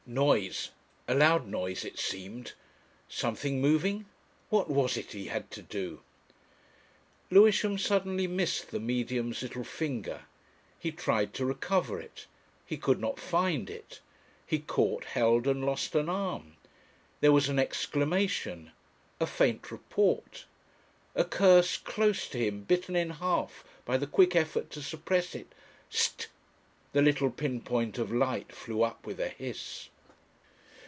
Noise! A loud noise it seemed. Something moving? What was it he had to do? Lewisham suddenly missed the Medium's little finger. He tried to recover it. He could not find it. He caught, held and lost an arm. There was an exclamation. A faint report. A curse close to him bitten in half by the quick effort to suppress it. Tzit! The little pinpoint of light flew up with a hiss.